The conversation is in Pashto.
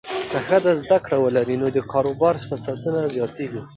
که ښځه زده کړه ولري، نو د کاروبار فرصتونه زیاتېږي.